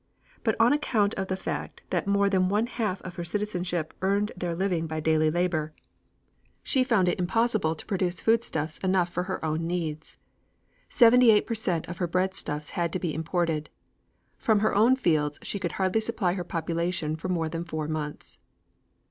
But on account of the fact that more than one half of her citizenship earned their living by daily labor she found it impossible to produce foodstuff enough for her own needs. Seventy eight per cent of her breadstuffs had to be imported. From her own fields she could hardly supply her population for more than four months.